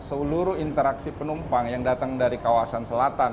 karena seluruh interaksi penumpang yang datang dari kawasan selatan